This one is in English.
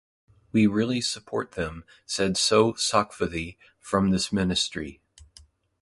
We really support them, said So Sokvuthy from this Ministry.